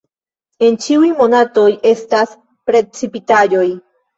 En ĉiuj monatoj estas precipitaĵoj.